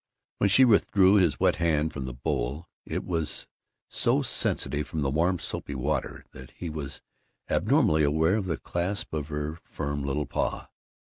When she withdrew his wet hand from the bowl, it was so sensitive from the warm soapy water that he was abnormally aware of the clasp of her firm little paw.